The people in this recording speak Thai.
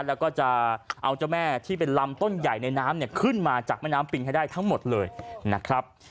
แล้วก็จะเอาเจ้าแม่ที่เป็นลำต้นใหญ่ในน้ำเนี่ยขึ้นมาจากแม่น้ำปิงให้ได้ทั้งหมดเลยนะครับ